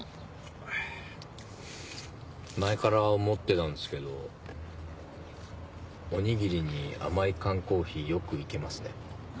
前から思ってたんですけどおにぎりに甘い缶コーヒーよく行けますね。